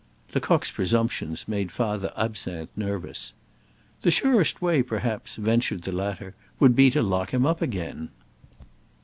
Lecoq's presumptions made Father Absinthe nervous. "The surest way, perhaps," ventured the latter, "would be to lock him up again!"